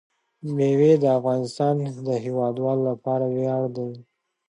مېوې د افغانستان د هیوادوالو لپاره ویاړ دی.